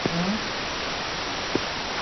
موزیلا کامن وایس د پښتو لپاره یوه مهمه سرچینه ده.